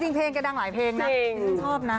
เพลงแกดังหลายเพลงนะดิฉันชอบนะ